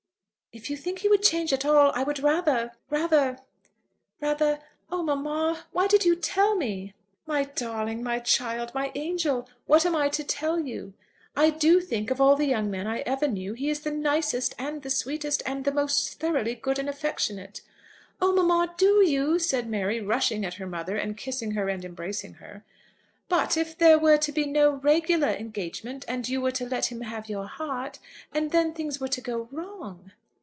"If you think he would change at all, I would rather, rather, rather . Oh, mamma, why did you tell me?" "My darling, my child, my angel! What am I to tell you? I do think of all the young men I ever knew he is the nicest, and the sweetest, and the most thoroughly good and affectionate." "Oh, mamma, do you?" said Mary, rushing at her mother and kissing her and embracing her. "But if there were to be no regular engagement, and you were to let him have your heart, and then things were to go wrong!"